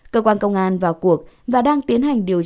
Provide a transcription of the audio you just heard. cơ quan công an vào cuộc và đang tiến hành điều tra